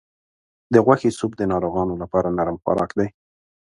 د غوښې سوپ د ناروغانو لپاره نرم خوراک دی.